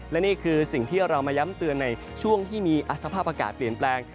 และนี่คือสิ่งที่เรามาย้ำเตือนในช่วงที่มีสภาพอากาศเปลี่ยนแปลง